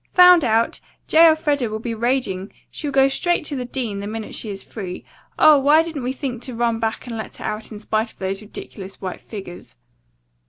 "Found out! J. Elfreda will be raging. She'll go straight to the dean, the minute she is free. Oh, why didn't we think to run back and let her out in spite of those ridiculous white figures?"